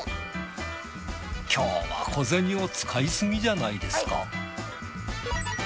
今日は小銭を使いすぎじゃないですか？